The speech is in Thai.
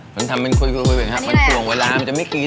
ผมถึงทำเป็นคุยมันกล่วงเวลามันจะไม่กิน